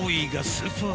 スーパー